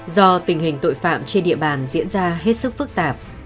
do tình hình tội phạm trên địa bàn diễn ra hết sức phức tạp